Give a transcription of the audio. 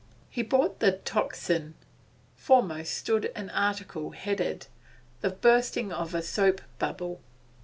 He bought the 'Tocsin.' Foremost stood an article headed, 'The Bursting of a Soap Bubble.